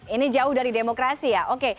ini jauh dari demokrasi ya oke